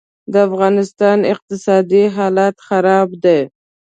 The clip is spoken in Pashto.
دافغانستان اقتصادي حالات خراب دي